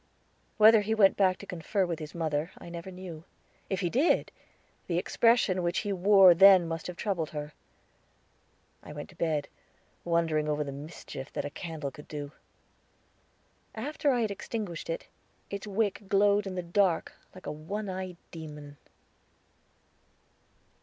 Whether he went back to confer with his mother, I never knew; if he did, the expression which he wore then must have troubled her. I went to bed, wondering over the mischief that a candle could do. After I had extinguished it, its wick glowed in the dark like a one eyed demon.